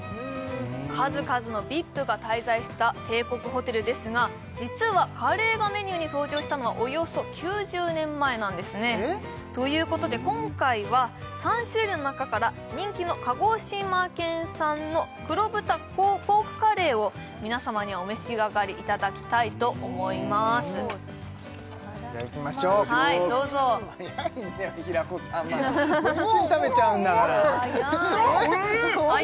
数々のＶＩＰが滞在した帝国ホテルですが実はカレーがメニューに登場したのはおよそ９０年前なんですねえっ！？ということで今回は３種類の中から人気の鹿児島県産の黒豚ポークカレーを皆様にはお召し上がりいただきたいと思いますいただきましょういただきまーす早いね平子さんまだＶ中に食べちゃうんだからあっうまい！